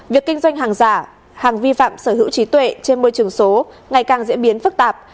việc kinh doanh hàng giả hàng vi phạm sở hữu trí tuệ trên môi trường số ngày càng diễn biến phức tạp